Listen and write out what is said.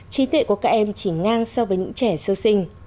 trí tuệ của các em chỉ ngang so với những trẻ sơ sinh